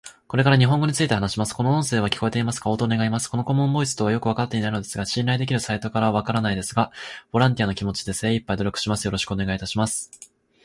これから日本語について話します。この音声は聞こえてますか？応答願います。この顧問ボイスとはよく分かっていないのですが信頼できるサイトか分からないですが、ボランティアの気持ちで精いっぱい努力します。よろしくお願いいたします。